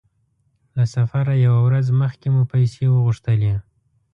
له سفره يوه ورځ مخکې مو پیسې وغوښتلې.